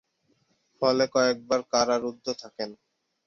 ফলে কয়েকবার কারারুদ্ধ থাকেন।